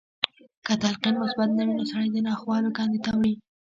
که تلقين مثبت نه وي نو سړی د ناخوالو کندې ته وړي.